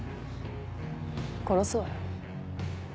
殺すわよ。